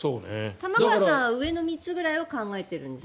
玉川さんは上の３つぐらいを考えてるんですか？